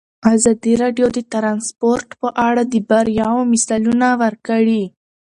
ازادي راډیو د ترانسپورټ په اړه د بریاوو مثالونه ورکړي.